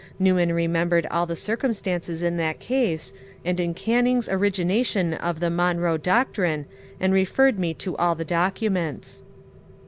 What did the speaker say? Newman re membered all the circumstances in that case, and in Canning's origination of the ^' Monroe doctrine," and referred me to all the documents.